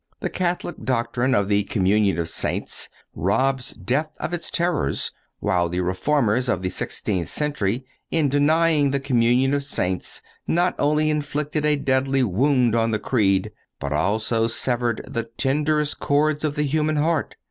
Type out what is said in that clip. The Catholic doctrine of the Communion of Saints robs death of its terrors, while the Reformers of the sixteenth century, in denying the Communion of Saints, not only inflicted a deadly wound on the Creed, but also severed the tenderest chords of the human heart.